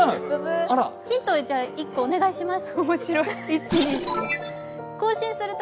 ヒントを１個お願いします